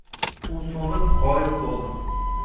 U so‘nib g‘oyib bo‘ldi.